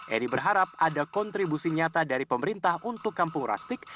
edi berharap ada kontribusi nyata dari pemerintah untuk kampung krastik